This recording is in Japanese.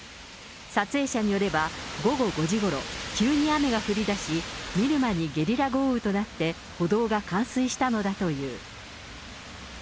撮影者によれば、午後５時ごろ、急に雨が降りだし、見る間にゲリラ豪雨となって歩道が冠水したのだという。